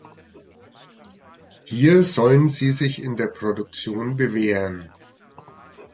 Hier sollen sie sich in der Produktion bewähren.